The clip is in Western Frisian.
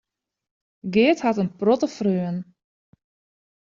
Geart hat in protte freonen.